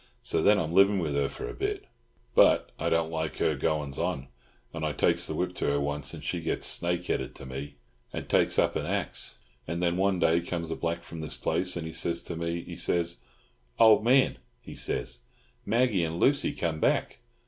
So then I'm living with her for a bit; but I don't like her goin's on, and I takes the whip to her once, and she gets snake headed to me, and takes up an axe; and then one day comes a black from this place and he says to me, he says, "Old man," he says, "Maggie and Lucy come back."